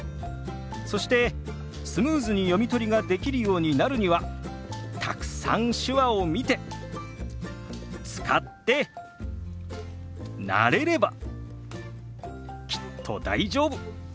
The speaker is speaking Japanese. そしてスムーズに読み取りができるようになるにはたくさん手話を見て使って慣れればきっと大丈夫。